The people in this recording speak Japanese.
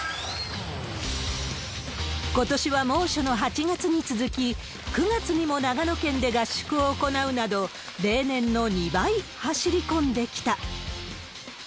ことしは猛暑の８月に続き、９月にも長野県で合宿を行うなど、例年の２倍走り込んできた。